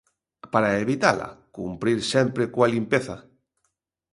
Para evitala, cumprir sempre coa limpeza.